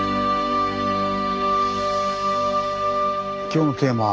今日のテーマ「